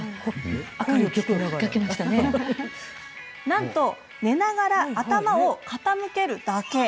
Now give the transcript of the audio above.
何と寝ながら、頭を傾けるだけ！